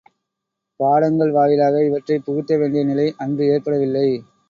பாடங்கள் வாயிலாக இவற்றைப் புகுத்த வேண்டிய நிலை அன்று ஏற்படவில்லை.